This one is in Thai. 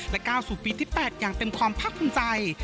ก้าวสู่ปีที่๘อย่างเต็มความภาคภูมิใจ